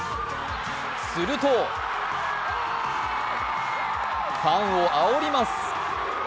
するとファンをあおります。